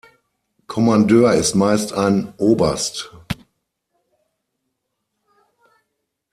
Kommandeur ist meist ein Oberst.